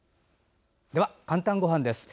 では「かんたんごはん」です。